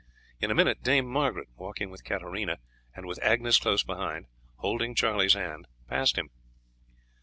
In a minute Dame Margaret, walking with Katarina, and with Agnes close behind, holding Charlie's hand, passed him.